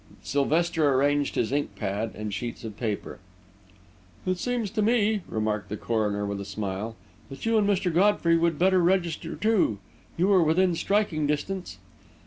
Sylvester arranged his ink pad and sheets of paper. "It seems to me," remarked the coroner, with a smile, "that you and Mr. Godfrey would better register, too. You were within striking distance."